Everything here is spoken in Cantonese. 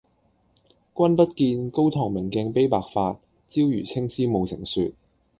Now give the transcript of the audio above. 君不見，高堂明鏡悲白發，朝如青絲暮成雪。